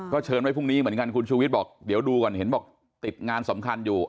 เชิญไว้พรุ่งนี้เหมือนกันคุณชูวิทย์บอกเดี๋ยวดูก่อนเห็นบอกติดงานสำคัญอยู่